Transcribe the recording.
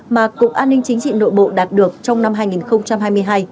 mà cục an ninh chính trị nội bộ đạt được trong năm hai nghìn hai mươi hai